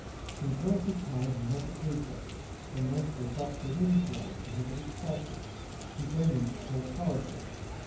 In course of time he had a toothache, and went to a Dr. Winslow's to have it extracted, intending to take chloroform.